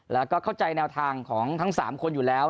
แล้วก็เข้าใจแนวทางของทั้ง๓คนอยู่แล้ว